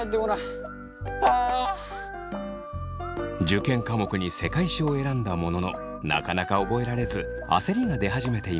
受験科目に世界史を選んだもののなかなか覚えられず焦りが出始めていました。